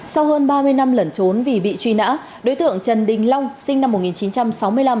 sau hơn ba mươi năm lẩn trốn vì bị truy nã đối tượng trần đình long sinh năm một nghìn chín trăm sáu mươi năm